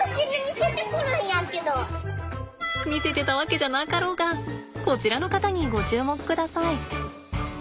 見せてたわけじゃなかろうがこちらの方にご注目ください。